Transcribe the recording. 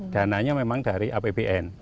dananya memang dari apbn